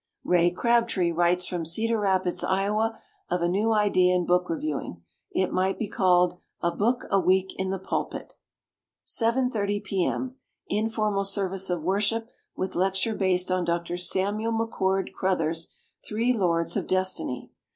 Ray Crabtree writes from Cedar Rapids, Iowa, of a new idea in book reviewing — it might be called, "A Book a Week in the Pulpit" : "7.30 P. M. luformal Service of worship with lecture based on Dr. Samuel McChord Crothers's *Three Lords of Destiny'."